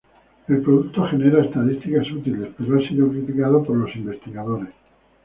El producto genera estadísticas útiles, pero ha sido criticado por los investigadores.